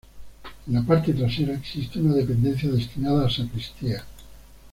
En la parte trasera existe una dependencia destinada a sacristía.